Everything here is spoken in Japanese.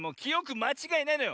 まちがいないのよ。